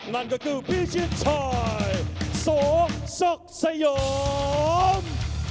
นั่นก็คือพี่ชิคช่อยสกสกสยอม